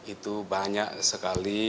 itu banyak sekali